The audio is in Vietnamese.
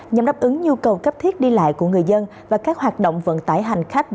nhằm đáp ứng nhu cầu cấp thiết đi lại của người dân và các hoạt động vận tải hành khách